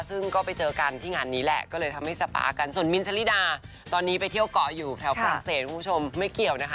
ซึ่งก็ไปเจอกันที่งานนี้แหละก็เลยทำให้สปากันส่วนมินชะลิดาตอนนี้ไปเที่ยวเกาะอยู่แถวฝรั่งเศสคุณผู้ชมไม่เกี่ยวนะคะ